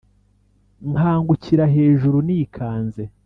Nkangukira hejuru nikanze.